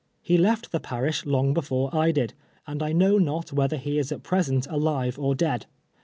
He left the parish long before I did, and I know not whether he is at present alive or dead.